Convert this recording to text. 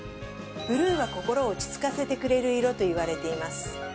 ブルーは心を落ち着かせてくれる色といわれています。